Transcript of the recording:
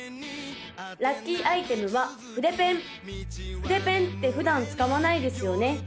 ・ラッキーアイテムは筆ペン筆ペンって普段使わないですよね？